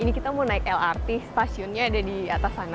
ini kita mau naik lrt stasiunnya ada di atas sana